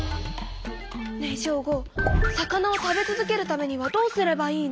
ねえショーゴ魚を食べ続けるためにはどうすればいいの？